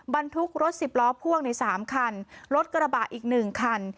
บรรทุกรถสิบล้อพ่วงใน๓คันรถกระบะอีก๑คัน